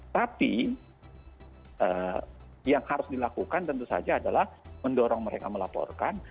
tapi yang harus dilakukan tentu saja adalah mendorong mereka melaporkan